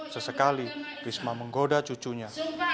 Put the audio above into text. sesekali risma menggoda cucunya